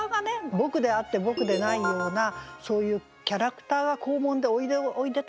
僕であって僕でないようなそういうキャラクターが校門でおいでおいでと言ってる。